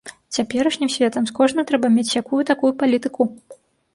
Цяперашнім светам з кожным трэба мець сякую-такую палітыку.